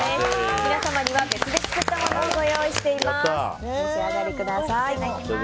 皆様には別で作ったものをご用意しております。